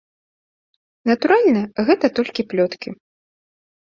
Натуральна, гэта толькі плёткі.